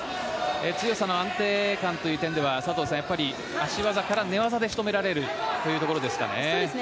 強さの安定感という点では佐藤さん、足技から寝技で仕留められるところでしょうかね。